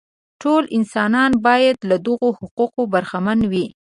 ټول انسانان باید له دغو حقونو برخمن وي.